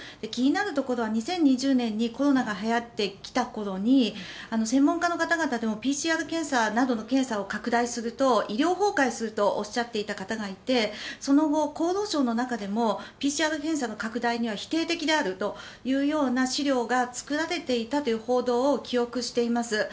気になるところは２０２０年にコロナがはやってきた頃に専門家の方々ＰＣＲ検査などの検査を拡大すると医療崩壊するとおっしゃっていた方がいてその後、厚労省の中でもＰＣＲ検査の拡大には否定的であるというような資料が作られていたという報道を記憶しています。